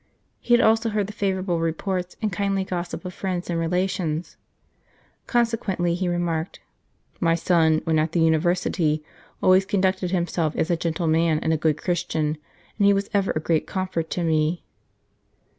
He had also heard the favourable reports and kindly gossip of friends and relations. Con sequently he remarked :" My son, when at the University, always conducted himself as a gentle man and a good Christian, and he was ever a great comfort to me."